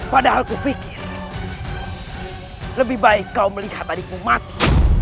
padahal aku pikir lebih baik kau melihat adikmu mati